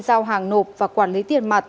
giao hàng nộp và quản lý tiền mặt